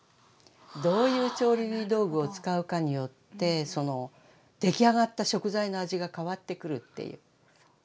どういう調理道具を使うかによって出来上がった食材の味が変わってくるっていう。